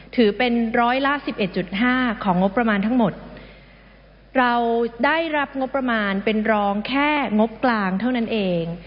ถือเป็นร้อยละสิบเอ็ดจุดห้าของงบประมาณทั้งหมดเราได้รับงบประมาณเป็นรองแค่งบกลางเท่านั้นเอง